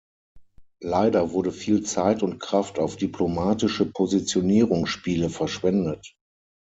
Leider wurde viel Zeit und Kraft auf diplomatische Positionierungsspiele verschwendet.